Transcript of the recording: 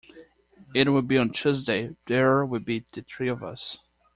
It will be on Tuesday; there will be the three of us.